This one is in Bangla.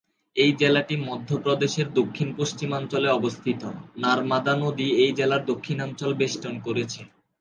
এই জেলাটি মধ্য প্রদেশের দক্ষিণ-পশ্চিমাঞ্চলে অবস্থিত; নারমাদা নদী এই জেলার দক্ষিণাঞ্চল বেষ্টন করেছে।